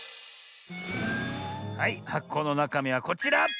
はいはこのなかみはこちら！